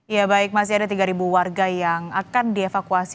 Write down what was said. ya baik masih ada tiga warga yang akan dievakuasi